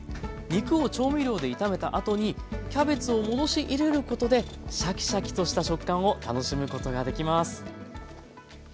肉を調味料で炒めたあとにキャベツを戻し入れることでシャキシャキとした食感を楽しむことができます。